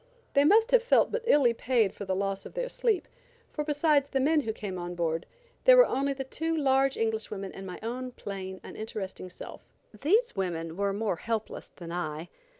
They must have felt but illy paid for their loss of sleep, for besides the men who came on board, there were only the two large English women and my own plain, uninteresting self. These women were more helpless than I.